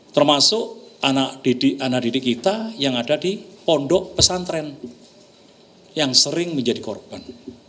termasuk anak didik kita yang ada di pondok pesantren yang sering menjadi korban